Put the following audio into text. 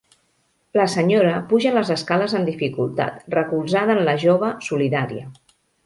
La senyora puja les escales amb dificultat, recolzada en la jove solidària.